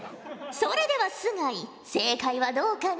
それでは須貝正解はどうかな？